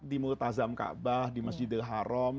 di mulut azam ka'bah di masjidil haram